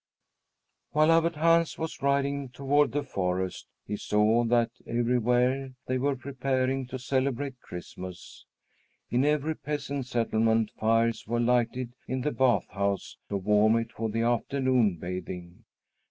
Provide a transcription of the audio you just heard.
While Abbot Hans was riding toward the forest, he saw that everywhere they were preparing to celebrate Christmas. In every peasant settlement fires were lighted in the bath house to warm it for the afternoon bathing.